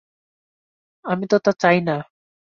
আমি তো তা চাই না।